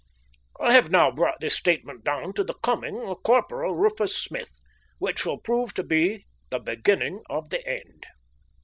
I have now brought this statement down to the coming of Corporal Rufus Smith, which will prove to be the beginning of the end.